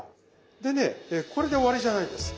でねこれで終わりじゃないです。